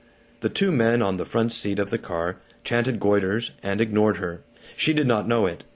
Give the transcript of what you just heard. The two men, on the front seat of the car, chanted goiters and ignored her. She did not know it.